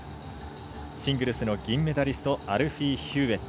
シングルスの銀メダリストアルフィー・ヒューウェット。